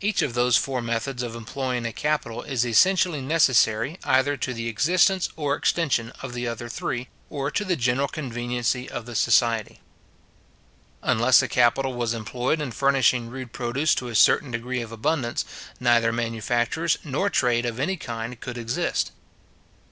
Each of those four methods of employing a capital is essentially necessary, either to the existence or extension of the other three, or to the general conveniency of the society. Unless a capital was employed in furnishing rude produce to a certain degree of abundance, neither manufactures nor trade of any kind could exist.